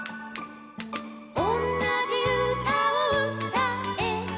「おんなじうたをうたえば」